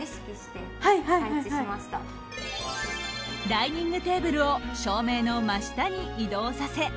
ダイニングテーブルを照明の真下に移動させ